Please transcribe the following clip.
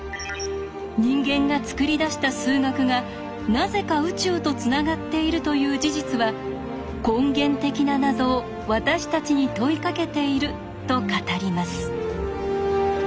人間が作り出した数学がなぜか宇宙とつながっているという事実は根源的な謎を私たちに問いかけていると語ります。